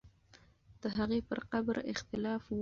د هغې پر قبر اختلاف وو.